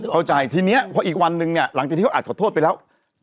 เข้าใจทีนี้พออีกวันนึงเนี่ยหลังจากที่เขาอาจขอโทษไปแล้ว